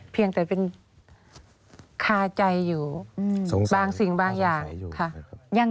เพียงแต่เป็นคาใจอยู่บางสิ่งบางอย่างค่ะ